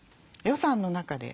予算の中で。